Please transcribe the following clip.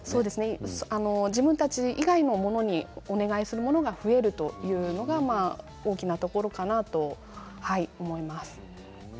自分たち以外の者にお願いするものが増えるというのが大きなところかなと思います。